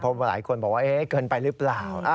พอหลายคนบอกว่าเกินไปรึเปล่า